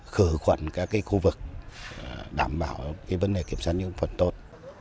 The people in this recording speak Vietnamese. khởi khoản các khu vực đảm bảo vấn đề kiểm soát những khoản tốt